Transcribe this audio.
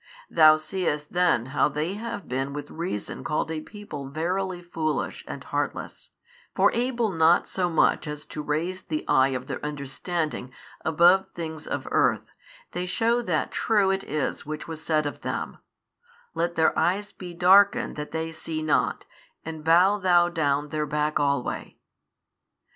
Thou seest then how they have been with reason called a people verily foolish and heartless: for able not so much as to raise the eye of their understanding above |574 things of earth, they shew that true it is which was said of them, Let their eyes be darkened that they see not, and bow Thou down their back alway.